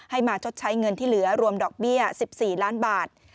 มาชดใช้เงินที่เหลือรวมดอกเบี้ย๑๔ล้านบาท